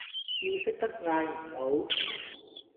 要識得嗌唔好